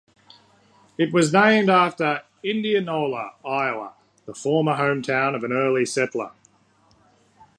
It was named after Indianola, Iowa, the former hometown of an early settler.